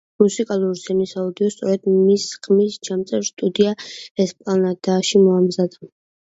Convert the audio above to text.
მუსიკალური სცენის აუდიო სწორედ მის ხმის ჩამწერ სტუდია „ესპლანადაში“ მომზადდა.